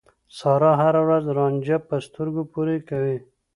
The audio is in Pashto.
سارا هر ورځ رانجه په سترګو پورې کوي.